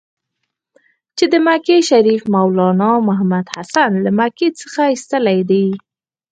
چې د مکې شریف مولنا محمودحسن له مکې څخه ایستلی دی.